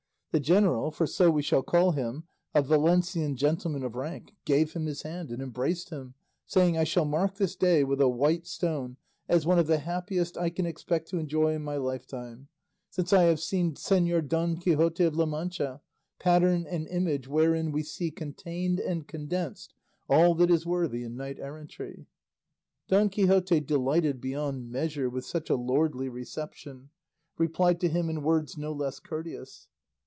The general, for so we shall call him, a Valencian gentleman of rank, gave him his hand and embraced him, saying, "I shall mark this day with a white stone as one of the happiest I can expect to enjoy in my lifetime, since I have seen Señor Don Quixote of La Mancha, pattern and image wherein we see contained and condensed all that is worthy in knight errantry." Don Quixote delighted beyond measure with such a lordly reception, replied to him in words no less courteous.